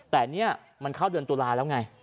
แต่นี่มันเข้าเดือนตุลาแล้วไง